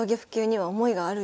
はい。